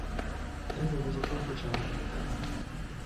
Трэба будзе трохі чаго папытацца.